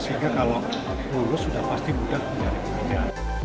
sehingga kalau lulus sudah pasti mudah mudahan